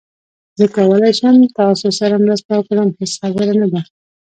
زه کولای شم تاسو سره مرسته وکړم، هیڅ خبره نه ده